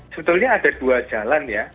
sebetulnya ada dua jalan ya